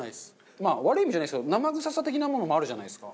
まあ悪い意味じゃないですけど生臭さ的なものもあるじゃないですか。